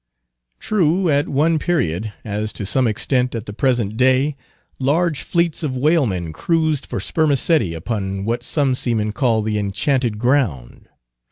True, at one period, as to some extent at the present day, large fleets of whalemen cruised for spermaceti upon what some seamen call the Enchanted Ground.